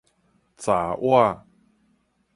閘倚